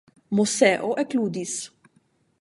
Moseo ekludis.